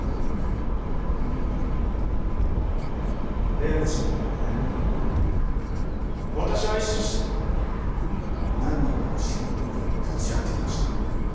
弁護士になる前私は医師として何人もの死に立ち会ってきました。